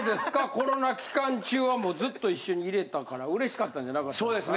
コロナ期間中はもうずっと一緒にいれたから嬉しかったんじゃなかったですか？